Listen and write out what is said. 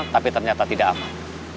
tapi ternyata tidak aman